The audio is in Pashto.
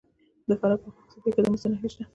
د فراه په خاک سفید کې د مسو نښې شته.